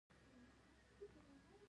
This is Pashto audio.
یا د تورې غوا لوشل وي